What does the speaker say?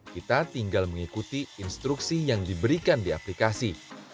kita tinggal mengikuti instruksi yang diberikan di aplikasi